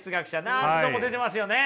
何度も出てますよね。